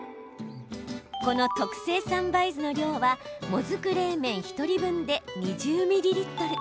この特製三杯酢の量はもずく冷麺１人分で２０ミリリットル。